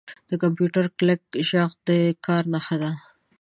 • د کمپیوټر کلیک ږغ د کار نښه ده.